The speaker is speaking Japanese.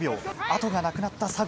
後がなくなった佐合。